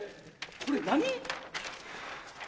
これ何？